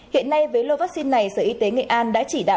hiện nay với lô vaccine này sở y tế nghệ an đã chỉ đạo